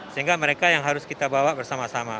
sehingga mereka yang harus kita bawa bersama sama